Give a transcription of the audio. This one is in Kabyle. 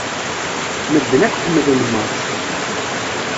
Medden akk ḥemmlen Mac.